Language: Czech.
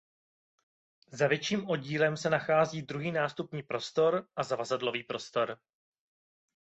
Za větším oddílem se nachází druhý nástupní prostor a zavazadlový prostor.